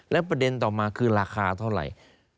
แล้วประเด็นต่อมาคือราคาเท่าไหร่